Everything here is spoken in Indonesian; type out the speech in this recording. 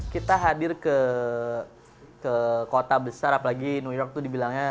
kita hadir ke kota besar apalagi new york itu dibilangnya